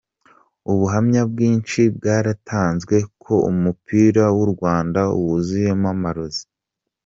Ubuhamya bwinshi bwaratanzwe ko umupira w’u Rwanda wuzuyemo amarozi.